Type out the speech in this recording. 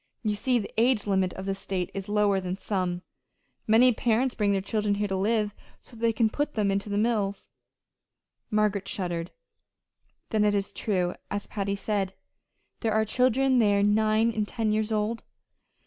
You see the age limit of this state is lower than some. Many parents bring their children here to live, so that they can put them into the mills." Margaret shuddered. "Then it is true, as Patty said. There are children there nine and ten years old!"